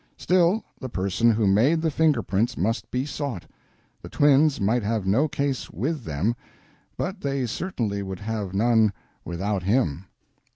Still, the person who made the finger prints must be sought. The twins might have no case with him, but they certainly would have none without him.